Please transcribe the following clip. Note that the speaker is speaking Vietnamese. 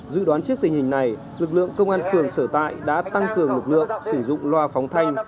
dự đoán trước tình hình này lực lượng công an phường sở tại đã tăng cường lực lượng sử dụng loa phóng thanh